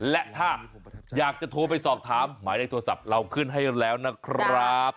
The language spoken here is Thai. และถ้าอยากจะโทรไปสอบถามหมายเลขโทรศัพท์เราขึ้นให้แล้วนะครับ